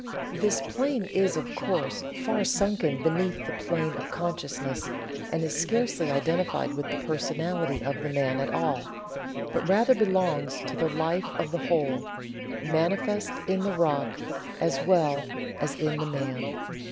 This plane is, of course, far sunken beneath the plane of consciousness, and is scarcely identified with the personality of the man at all, but rather belongs to the life of the whole, manifest in the rock as well as in the man.